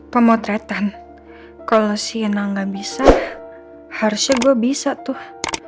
pemotretan kalau si ena gak bisa harusnya gue bisa tuh